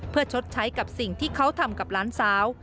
เพื่อชดใช้กับสิ่งที่เขาทำกับหลานสาว